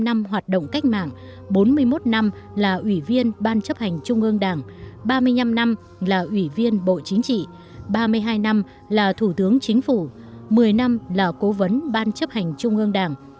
bảy mươi năm năm hoạt động cách mạng bốn mươi một năm là ủy viên ban chấp hành trung ương đảng ba mươi năm năm là ủy viên bộ chính trị ba mươi hai năm là thủ tướng chính phủ một mươi năm là cố vấn ban chấp hành trung ương đảng